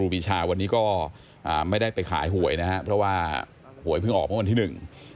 ปีชาวันนี้ก็อ่าไม่ได้ไปขายหวยนะครับเพราะว่าหวยเพิ่งออกเมื่อวันที่หนึ่ง